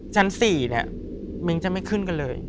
ชั้น๔เนี่ยเม้งจะไม่ขึ้นกันเลย